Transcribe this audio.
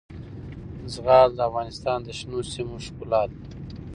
زغال د افغانستان د شنو سیمو ښکلا ده.